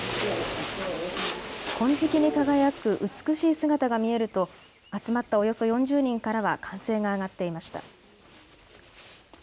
金色に輝く美しい姿が見えると集まったおよそ４０人からは歓声が上がっていました。